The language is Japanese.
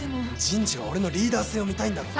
人事は俺のリーダー性を見たいんだろ。